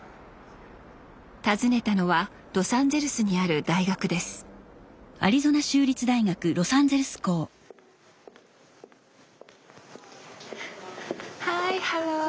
訪ねたのはロサンゼルスにある大学ですＨｉ，ｈｅｌｌｏ